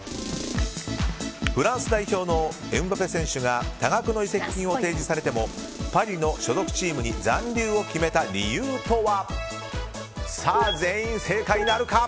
フランス代表のエムバペ選手が多額の移籍金を提示されてもパリの所属チームに残留を決めた理由とは。